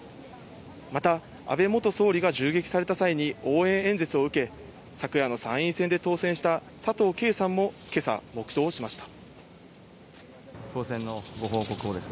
また、安倍元総理が銃撃された際に応援演説を受け、昨夜の参院選で当選した佐藤啓さんも今朝、黙とうしました。